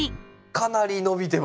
かなり伸びてますね。